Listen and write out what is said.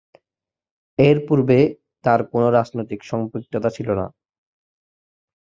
এর পূর্বে তার কোন রাজনৈতিক সম্পৃক্ততা ছিল না।